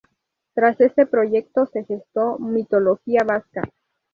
Tras este proyecto, se gestó "Mitología vasca.